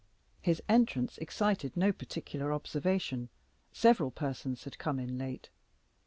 His entrance excited no particular observation: several persons had come in late.